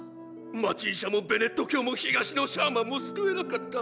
街医者もベネット教も東のシャーマンも救えなかった。